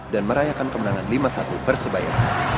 dan merayakan kemenangan lima puluh satu persebaya